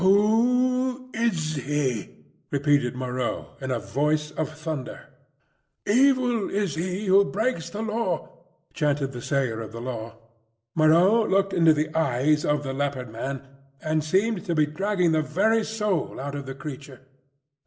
"Who is he?" repeated Moreau, in a voice of thunder. "Evil is he who breaks the Law," chanted the Sayer of the Law. Moreau looked into the eyes of the Leopard man, and seemed to be dragging the very soul out of the creature.